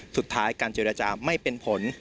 สุดท้ายการเจรจาไม่เป็นผล